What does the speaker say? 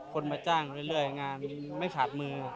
คนมาจ้างเรื่อยงานไม่ขาดมือ